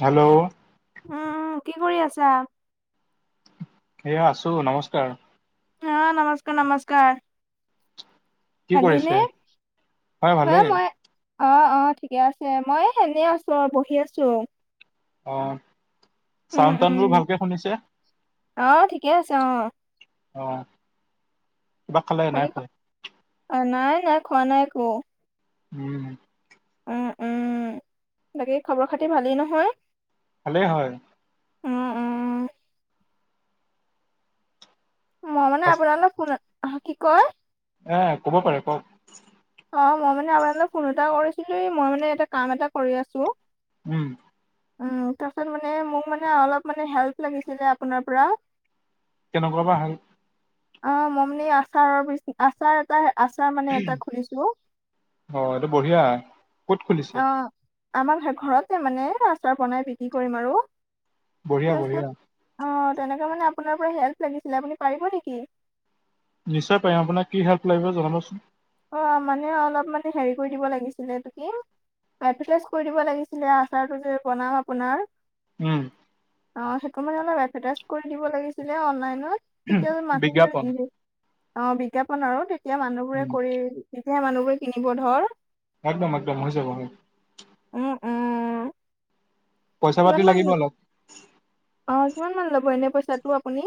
Hello. উম, কি কৰি আছা? এয়া আছোঁ, নমস্কাৰ। অ' নমস্কাৰ নমস্কাৰ। কি কৰিছে ভালেইনে? হয় এ, ভালেই মই অ', অ' ঠিকে আছে। মই এনেই আছোঁ আৰু বহি আছোঁ। অ' উম চাউণ্ড উম, তাউণ্ডবোৰ ভালকে শুনিছে? অ' ঠিকে আছে অ' অ', কিবা খালে? বাকী নাই খ- খোৱা। অ' নাই নাই, খোৱা নাই একো। উম। উম উম। বাকী খবৰ খাতি ভালেই নহয়? ভালে, হয়। উম উম, মই মানে ফাৰ্ষ্ট- আপোনালোক ফোন, অ', কি কয়? এ, ক'ব পাৰে, কওক। অ' মই মানে আপোনালৈ ফোন এটা কৰিছিলোঁ, মই মানে এটা কাম এটা কৰি আছোঁ। উম। উম, তাৰপিছত মানে, মোক মানে, অলপ মানে হেল্প লাগিছিলে আপোনাৰ পৰা। কেনেকুৱাবা হেল্প? অ' মই মানে আচাৰৰ বিজ, আচাৰ এটা, আচাৰ মানে এটা খুলিছোঁ। অ' এইটো বঢ়িয়া। ক'ত খুলিছে অ', আমাৰ হে, ঘৰতে মানে ৰাস্তাত বনাই বিক্ৰী কৰিম আৰু। বঢ়িয়া তাৰপিছত, বঢ়িয়া অ' তেনেকে মানে আপোনাৰ পৰা হেল্প লাগিছিলে, আপুনি পাৰিব নেকি? নিশ্চয় পাৰিম। আপোনাক কি হেল্প লাগিব জনাবচোন। অ' মানে অলপ মানে হেৰি কৰি দিব লাগিছিলে, এইটো কি এডভাৰটাইজ কৰি দিব লাগিছিলে, আচাৰটো যে বনাম আপোনাৰ। উম। অ' সেইটো মানে অলপ এডভাৰটাইজ কৰি দিব লাগিছিলে অনলনত, তেতিয়া মানুহবোৰে বিজ্ঞাপন ইমে অ' বিজ্ঞাপন আৰু, তেতিয়া মানুহবোৰে উম কৰি, তেতিয়াহে মানুহবোৰে কিনিব ধৰ। একদম একদম, হৈ যাব। উম, উম। পইচা কিমান পাতি মান লাগিব অলপ। অ' কিমানমান ল'ব এনে পইচাটো আপুনি?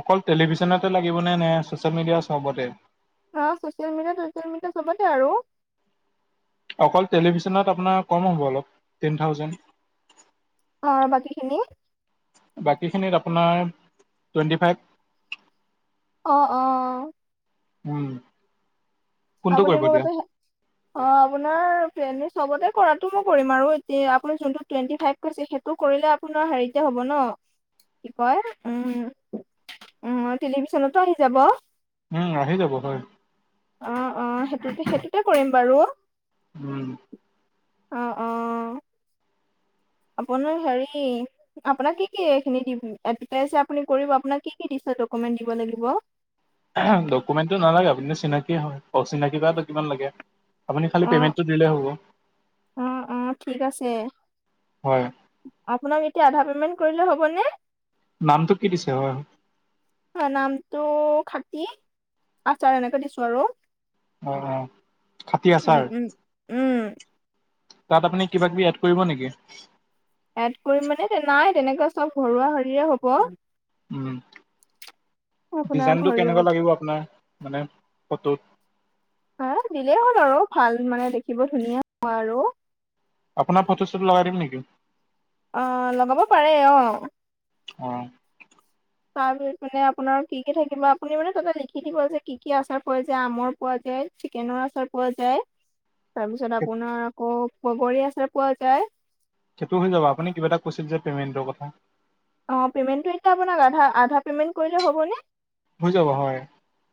অকল টেলিভিছনতে লাগিবনে, নে ছচিয়েল মিডিয়া চবতে? অ' ছচিয়েল মিডিয়া, টছেল মিডিয়া চবতে আৰু। অকল টেলিভিছনত আপোনাৰ কম হ'ব অলপ, টেন থাউজেণ্ড। অ', বাকীখিনি? বাকীখিনিত আপোনাৰ টুৱেণ্টি ফাইভ। অ', অ'। উম। ফোনটো আপুনি কৰিব মোক দিয়া এটা হে অ' আপোনাৰ প্লেনে, চবতে কৰাটো কৰিম আৰু। তে, আপোনাৰ যোনটো টুৱেণ্টি ফাইভ কৈছে, সেইটো কৰিলে আপোনাৰ হেৰিতে হ'ব ন' কি কয়, উম, উম, টেলিভিছনতো আহি যাব। উম, আহি যাব, হয়। অ', অ' সেইটোতে, সেইটোতে কৰিম বাৰু। উম। অহ, অহ। আপোনাৰ হেৰি আপোনাক কি কি এইখিনি দিম? এডভাৰটাইজ যে আপুনি কৰিব, আপোনাক কি কি দিছে ডকুমেন্ট দিব লাগিব? আ' হম। ডকুমেন্টটো নালাগে, আপুনিটো চিনাকিয়ে হয়। অচিনাকি বাটো কিমান লাগে। আপুনি খালী অ পেমেণ্টটো দিলে হ'ব, অ অ ঠিক আছে হয়। আপোনাক এতিয়া আধা পেমেণ্ট কৰিলে হ'বনে? নামটো কি দিছে? হয়। অ', নামটো 'খাতি আচাৰ' এনেকে দিছোঁ আৰু। হয় হয় উম উম, উম। তাত আপুনি কিবা কিবি এড কৰিব নেকি? এড কৰিম মানে নাই তেনেকুৱা চব ঘৰুৱা হৰিৰে হ'ব। উম আপোনাৰ ডিজাইনতটো সৰিয়হ কেনেকুৱা লাগিব আপোনাৰ মানে ফটোত হ দিলেই হ'ল আৰু ভাল মানে দেখিব ধুনীয়া হোৱা আৰু আপোনাৰ ফটো চুটো লগাই দিম নেকি? অ লগাব পাৰে অ। অ তাৰপিছত মানে আপোনাৰ কি কি থাকিব আপুনি মানে তাতে লিখি দিব যে কি কি আচাৰ পোৱা যায়, আমৰ পোৱা যায়। চিকেনৰ আচাৰ পোৱা যায়। তাৰ পিছত আপোনাৰ আকৌ বগৰী আচাৰ পোৱা যায়। সেইটো হৈ যাব আপুনি কিবা এটা কৈছিল যে পেমেণ্টৰ কথা। অ পেমেণ্টটো এতিয়া আপোনাক আধাৰ পেমেণ্ট কৰিলে হ'বনে? হৈ যাব হয়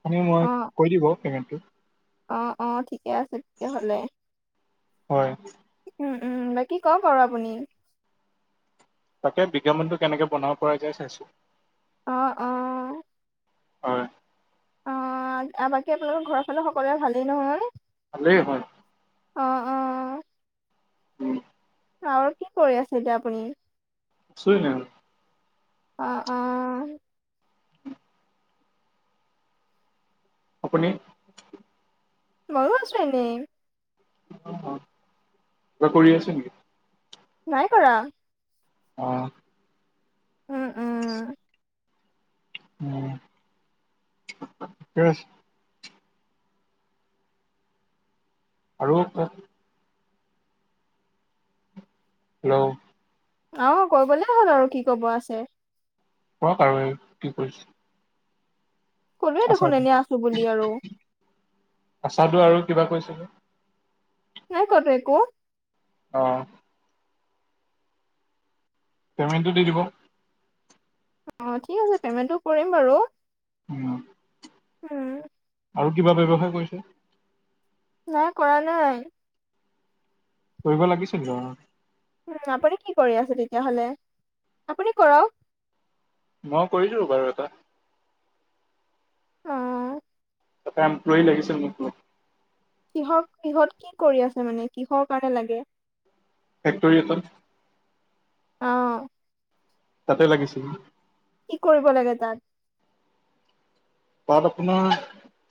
আপুনি মই অ', কৈ দিব পে'মেণ্টটো। অ অ ঠিকে আছে তেতিয়া হ'লে। হয় উম উম বাকী কক বাৰু আপুনি। তাকে বিজ্ঞাপনটো কেনেকে বনাব পৰা যায় চাইছো। অ অ হয়। অ বাকী আপোনালোকৰ ঘৰৰ ফালে সকলোৱে ভালেই নহয়। ভালেই হয়। অ অ। উম আৰু কি কৰি আছে এতিয়া আপুনি? [inaudible] অ অ। আপুনি? মইয়ো আছো এনেই। অ কিবা কৰি আছা নেকি? নাই কৰা। অঁ। উম উম। উম, ঠিকে আছে। আৰু ক'ক। হেল্ল' অ, কৈ গ'লে হ'ল আৰু কি ক'ব আছে। কৰক আৰু এই কি কৰিছে? কলোয়ে দেখো, আচাৰটো এনে আছো বুলি আৰু। আচাদু আৰু কিবা কৈছিলে? নাই কোৱাটো একো। অ, পেমেণ্টটো দি দিব। অ, ঠিক আছে পেমেন্টটো কৰিম বাৰু। উম, উম, আৰু কিবা ব্যৱসায় কৰিছে। নাই কৰা নাই। কৰিব লাগিছিল বাৰু। উম, আপুনি কি কৰি আছে, তেতিয়াহলে আপুনি কৰক। মই কৰিছো বাৰু এটা। অ তাতে এমপ্লই লাগিছিল মোক। কিহৰ, কিহত কি কৰি আছে মানে কিহৰ কাৰণে লাগে? ফেক্টৰী এ অ, তাতে লাগিছিল। কি কৰিব লাগে তাত? তাত আপোনাৰ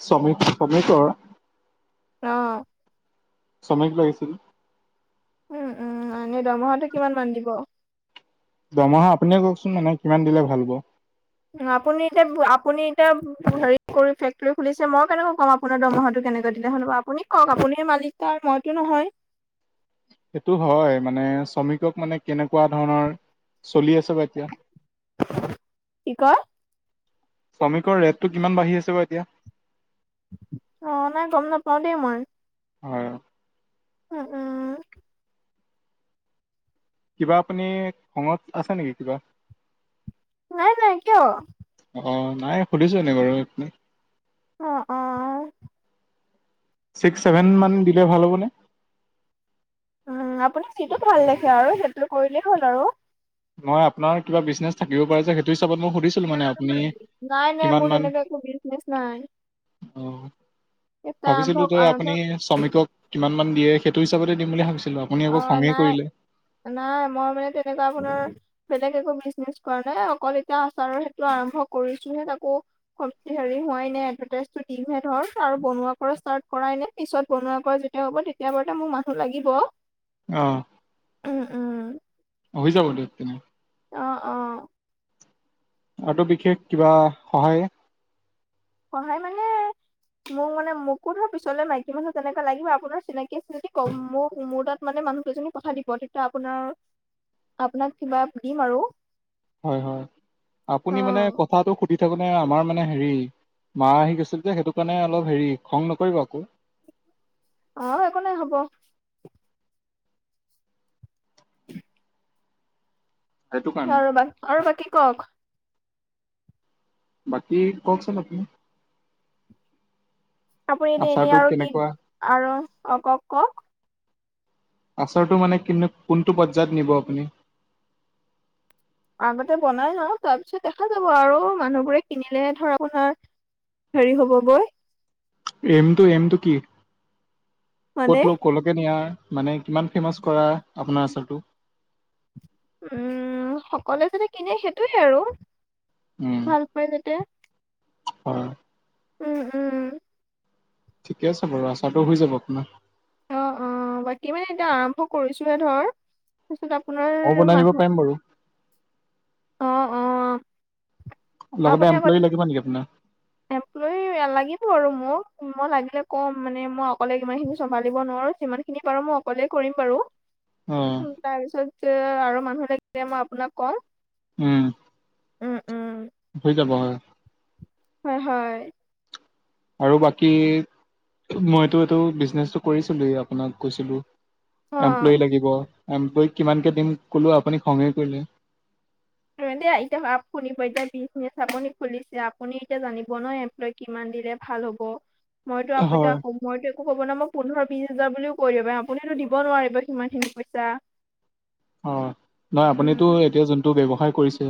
শ্ৰমিক, শ্ৰমিকৰ অ, ছমিক, লাগিছিল। উম, উম, এনে দৰমহাটো কিমান মান দিব? দৰমহা আপুনিয়ে কওকচোন মানে কিমান দিলে ভাল হ'ব। আপুনি এতিয়া, আপুনি এতিয়া। হেৰি কৰি ফেক্টৰী খুলিছে, মই কেনেক কম আপোনাৰ দৰমহাটো কেনেকে দিলে হ'ব, আপুনি ক'ওক আপুনি মালিক। তাৰ মইতো নহয়। সেইটো হয়, মানে শ্ৰমিকক মানে কেনেকুৱা ধৰণৰ চলি আছে বা এতিয়া। কি, কয়। শ্ৰমিকৰ ৰেটটো কিমান বাঢ়ি আছে বাৰু এতিয়া‌? অ, নাই গম নাপাও দেই মই। হয়। উম, উম, কিবা আপুনি, খঙত আছে নেকি কিবা? নাই, নাই, কিয়? অ, নাই সুধিছো এনেই বাৰু এ অ, অ, ছিক্স, ছেভেন মান দিলে ভাল হ'বনে? উ, আপুনি যিটো ভাল দেখে আৰু সেইটো কৰিলেই হ'ল আৰু। মই আপোনাৰ কিবা বিজনেছ থাকিব পাৰে যে, সেইটো হিচাপত মই সুধিছিলো মান আপুনি, নাই নাই কিমান‌ মোৰ মান‌ তেনেকে একো বিজনেচ নাই। অ, এটা আৰম্ভ ভাবিছিলো যে আৰম্ভ আপুনি, শ্ৰমিকক কিমানমান দিয়ে সেইটো হিচাপতে দিম বুলি ভাবিছিলোঁ। আপুনি, আকৌ অ', খঙেই নাই কৰিলে। নাই মই মানে তেনেকুৱা আপোনাৰ। বেলেগ একো বিচ নেচ কৰা নাই। অকল এতিয়া আচাৰৰ সেইটো আৰম্ভ কৰিছোহে তাকো, হেৰি হোৱাই নে এডভাৰটাইজটো দিমহে ধৰ আৰু বনোৱা পৰা ষ্টাৰ্ট কৰাই নে, পিছত বনোৱা কৰা যেতিয়া হ'ব তেতিয়া বাৰতে মোক মানুহ লাগিব। অ, উম, উম, হৈ যাব দিয়ক তেনে, অ, অ আৰু বিশেষ কিবা সহায়ে, সহায় মানে। মোক মানে মোকো ধৰ, পিছলে মাইকী মানুহ তেনেকা লাগিব। আপোনাৰ চিনাকি আছে যদি ক মোক মোৰ তাত, মানে মানুহ দুজনী কথা দিব তেতিয়া আপোনাৰ, আপোনাক কিবা দিম আৰু হয়, হয়, অ আপুনি মানে কথাটো। দি থাকোনে আমাৰ মানে হেৰি মা, আহি গৈছিল যে, সেইটো কাৰণে অলপ হেৰি খং, নকৰিব আকৌ। অ, একো নাই হ'ব। [inaudible] সেইটো কাৰণে আৰু বাকী আৰু বাকী কওক। বাকী ককচোন আপনি। আপুনি। এতিয়া, এনেই আচাৰটো আৰু কি কেনেকুৱা আৰু অ কওক কওক। আছৰটো মানে কি? কোনটো পৰ্যায়ত নিব আপুনি। আগতে বনাই ন তাৰপিছত দেখা যাব আৰু মানুহবোৰে কিনিলে ধৰ আপোনাৰ। হেৰি হ'ব গৈ। এমটো, এমটো কি? মানে ক'ত ল ক'লৈকে নিয়াৰ মানে, কিমান ফেমাছ কৰা, আপোনাৰ আচাৰটো। উম, সকলোৱে যাতে কিনে সেইটোয়ে আৰু, উম ভাল পাই যেতিয়া। হয়। উম, উম। ঠিকে আছে বাৰু আচাৰটো, হৈ যাব আপোনাৰ। অ অ', বাকী মানে এতিয়া আৰম্ভ কৰিছোহে ধৰ। তাৰপিছত আপোনাৰ ময়ো বনাই দিব মানুহ। পাৰিম বাৰু অ', অ' লগতে আপুনি এমপ্লয়ী আগত লাগিব নেকি আপোনাৰ এম। লৈ লাগিব আৰু মোক, মই লাগিলে ক'ম মানে মই অকলে কিমান খিনি চম্ভালিব নোৱাৰো যিমান। যি পাৰো মই অকলেই কৰিম বাৰু। অ'। তাৰ পিছত তে আৰু মানুহ লাগিলে মই আপোনাক কম। উম, উম, উম। হৈ যাব হয়। হয়, হয়। আৰু বাকী মইতো এইটো বিজনেচটো, কৰিছিলোঁ এ'আপোনাক কৈছিলো। অ', এমপ্লয় লাগিব এমপ্লয়ক কিমানকে দিম কলো আপুনি খঙে কৰিলে। এতিয়া শুনিব, এতিয়া বিজনেচ আপুনি খুলিছে আপুনি এতিয়া জানিব ন এমপ্লয়ীক কিমান দিলে ভাল হ'ব মইতো আপুতা হয় ক মইতো একো ক'ব ন মই পোন্ধৰ, বিশ, হাজাৰ বুলিও কৈ দিব পাৰিম আপুনিতো দিব নোৱাৰিব সিমান খিনি পইচা। অ', নহয় আপুনিতো উম, এতিয়া যোনটো ব্যৱসায় কৰিছে।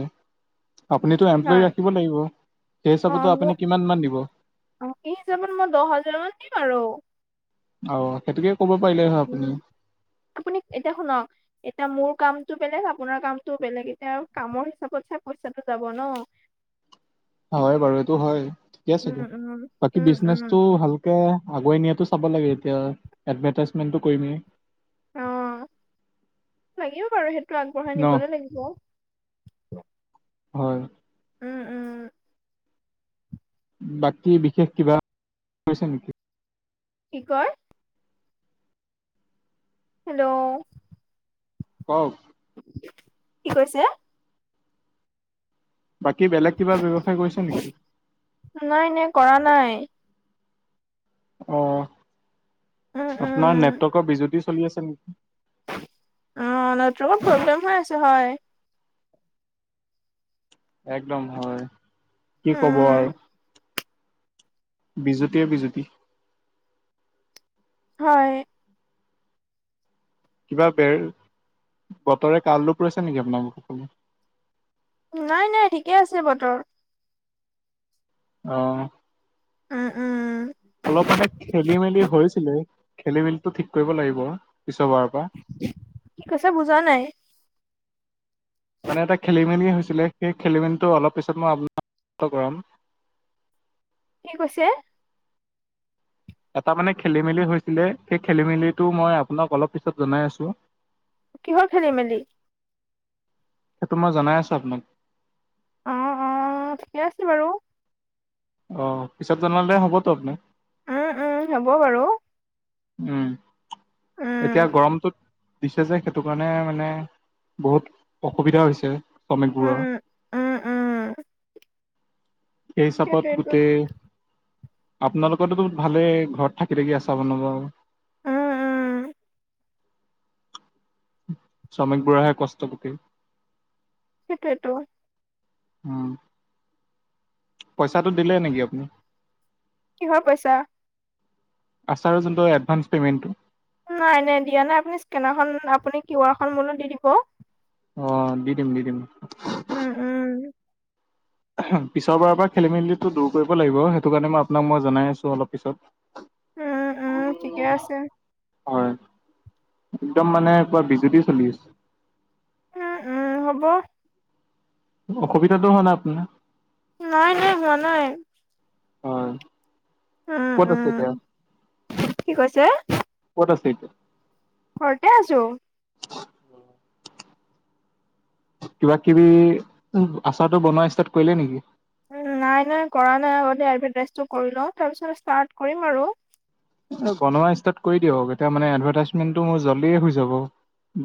আপুনিতো এমপ্লয় হয়। ৰাখিব লাগিব। সেই অ', হিচাপতো মোৰ আপুনি কিমান মান দিব। অ', সেই হিচাপত মই দহ হাজাৰ, মান দিম আৰু। অ' সেইটোকে ক'ব পাৰিলে হয় উম। আপুনি। আপুনি এতিয়া শুনক। এতিয়া মোৰ কামটো বেলেগ, আপোনাৰ কামটো বেলেগ, এতিয়া কামৰ হিচাপত চাই পইচাটো যাব ন'? [inaudible] হয় বাৰু এইটো হয়। ঠিকে আছে উম, দিয়া। উম। বাকী উম, উম, বিজনেচটো ভাল কে আগুৱাই নিয়াটো চাব লাগে এতিয়া, এডভেটাইজমেন্টটো কৰিমেই। অ' লাগিব বাৰু সেইটো আগবঢ়াই ন নিবলৈ লাগিব। হয়। উম, উম। বাকী বিশেষ কিবা [unintelligible] নেকি? কি কয়? হেল্ল'। কওক। কি কৈছে? বাকী বেলেগ কিবা ব্যৱসায় কৰিছে নেকি? নাই নাই, কৰা নাই। অ' উম আপোনাৰ উম নেটৱৰ্কৰ বিজুতি চলি আছে নেকি? অ' নেটৱৰ্কত প্ৰব্লেম হৈ আছে হয়। একদম হয়, কি ক'ব আৰু। উম বিজুতিয়ে, বিজুতি। হয়। কিবা বেৰ, বতৰে কালৰোপ লৈছে নেকি আপোনালোক ফালে? নাই নাই, ঠিকে আছে বতৰ। অ'। উম, উম। অলপ মানে খেলি মেলি হৈছিলে, খেলি মেলিতো ঠিক কৰিব লাগিব পিছৰবাৰৰ পৰা। কি কৈছে বুজা নাই। মানে এটা খেলি মেলি হৈছিলে, সেই খেলি মেলিটো অলপ পিছত মই আপোনক [unintelligible] কৰাম। কি কৈছে? এটা মানে খেলি মেলি হৈছিলে, সেই খেলি মেলিটো মই আপোনাক অলপ পিছত জনাই আছোঁ। কিহৰ খেলি মেলি? সেইটো মই জনাই আছোঁ আপোনাক। অ অ' ঠিকে আছে বাৰু। অ' পিছত জনালে হ'বতো আপোনাৰ? উম, উম, হ'ব বাৰু। উম। এতিয়া উম গৰমটোত দিছে যে সেইটো কাৰণে মানে বহুত অসুবিধা হৈছে শ্ৰমিকবোৰৰ। উম, উম। সেই হিচাপত সেইটোৱেটো। গোটেই আপোনালোকৰতো ভালেই, ঘৰত থাকি থাকি আচাৰ বনাব। উম উম শ্ৰমিকবোৰৰ হে কষ্ট [unintelligible] সেইটোৱেইটো। উম। পইচাটো দিলে নেকি আপুনি? কিহৰ পইচা? আচাৰৰ যোনটো এডভান্স পেমেণ্টটো। নাই, এনেই দিয়া নাই, আপুনি স্কেনাৰখন, আপুনি কিউআৰখন মোলে দি দিব। অ' দি দিম, দি দিম। উম, উম। পিছৰ বাৰৰ পৰা খেলি-মেলিটো দূৰ কৰিব লাগিব, সেইটোকাৰণে মই আপোনাক মই জনাই আছোঁ অলপ পিছত। উম, উম। ঠিকে আছে। হয়, একদম মানে পুৰা বিজুুলি চলি আছে। উম, উম হ'ব। অসুবিধাটো হোৱা নাই আপোনাৰ? নাই, নাই হোৱা নাই। হয় উম, ক'ত আছে উম, এতিয়া? কি কৈছে? ক'ত আছে এতিয়া? ঘৰতে আছোঁ। কিবা-কিবি, আচাৰটো বনোৱা ষ্টাৰ্ট কৰিলেই নেকি? উম। নাই, নাই কৰা নাই। আগতে এডভাৰটাইজটো কৰি লওঁ, তাৰ পিছত ষ্টাৰ্ট কৰিম আৰু। বনোৱা ষ্টাৰ্ট কৰি দিয়ক, এতিয়া মানে এডভাৰটাইজমেণ্টটো মোৰ জল্ডিয়ে হৈ যাব।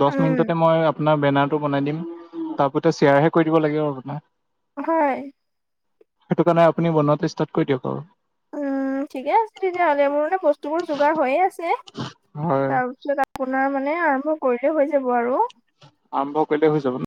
দচ উম, মিনিটতে মই আপোনাৰ বেনাৰটো বনাই দিম। তাৰ ওপৰিতো শ্বেয়াৰহে কৰি দিব লাগিব আপোনাৰ। হয়। সেইটো কাৰণে আপুনি বনোৱাতো ষ্টাৰ্ট কৰি দিয়ক আও উম, ঠিকে আছে তেতিয়া হ'লে, মোৰ মানে বস্তুবোৰ যোগাৰ হৈয়ে আছে। হয় তাৰ পিছত আপোনাৰ মানে আৰম্ভ কৰিলে হৈ যাব আৰু আৰম্ভ কৰিলে হৈ যাব